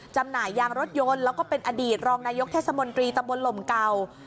จำหน่ายยางรถยนต์แล้วก็เป็นอดีตรองนายกเทศมนตรีตำบลหลมเก่า